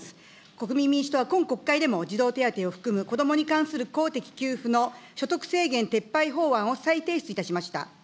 国民民主党は今国会でも児童手当を含む、子どもに関する公的給付の所得制限撤廃法案を再提出いたしました。